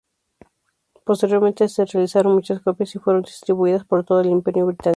Posteriormente se realizaron muchas copias y fueron distribuidas por todo el Imperio británico.